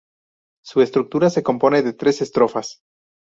Su estructura se compone de tres estrofas.